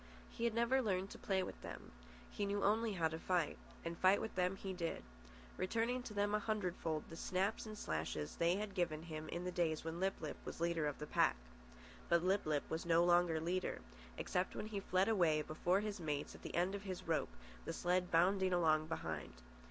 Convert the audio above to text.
He had never learned to play with them. He knew only how to fight, and fight with them he did, returning to them a hundred fold the snaps and slashes they had given him in the days when Lip lip was leader of the pack. But Lip lip was no longer leader—except when he fled away before his mates at the end of his rope, the sled bounding along behind.